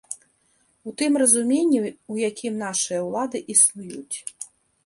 У тым разуменні, у якім нашыя ўлады існуюць.